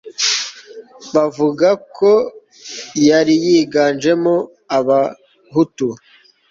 bavuga ko yari yiganjemo abahutu